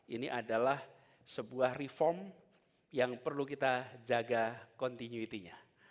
ini adalah sebuah reform yang perlu kita jaga continuity nya